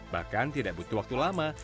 bahkan tidak butuh waktu lama